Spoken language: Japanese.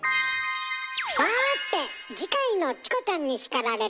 さて次回の「チコちゃんに叱られる！」